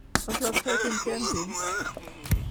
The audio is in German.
Was läuft heute im Fernsehen?